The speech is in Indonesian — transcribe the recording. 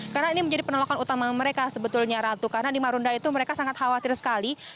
karena ini menjadi penolakan utama mereka sebetulnya ratu karena di marunda itu mereka sangat khawatir sekali